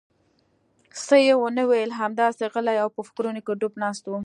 څه یې ونه ویل، همداسې غلی او په فکرونو کې ډوب ناست و.